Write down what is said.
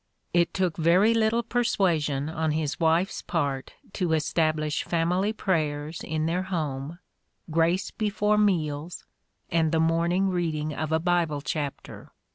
... It took very little persuasion on his wife's part to establish family prayers in their home, grace before meals, and the morning reading of a Bible chapter."